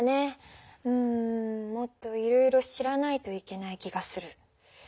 うんもっといろいろ知らないといけない気がする。